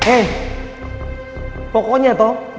eh pokoknya toh